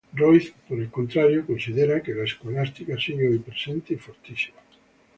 Roiz, por el contrario, considera que la escolástica sigue hoy presente y fortísima.